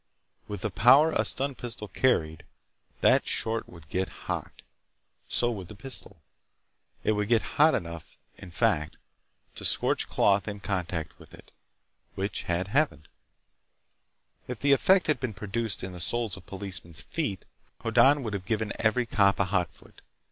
With the power a stun pistol carried, that short would get hot. So would the pistol. It would get hot enough, in fact, to scorch cloth in contact with it. Which had happened. If the effect had been produced in the soles of policemen's feet, Hoddan would have given every cop a hotfoot.